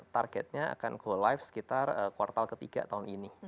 targetnya akan go live sekitar kuartal ketiga tahun ini